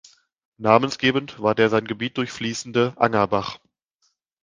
Namensgebend war der sein Gebiet durchfließende Angerbach.